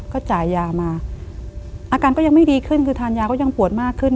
ก็จ่ายยามาอาการก็ยังไม่ดีขึ้นคือทานยาก็ยังปวดมากขึ้น